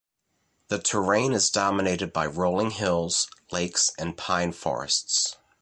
The terrain is dominated by rolling hills, lakes, and pine forests.